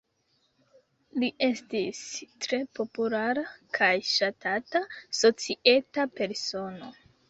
Li estis tre populara kaj ŝatata societa persono.